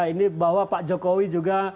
ini bahwa pak jokowi juga